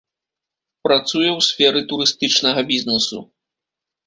Працуе ў сферы турыстычнага бізнесу.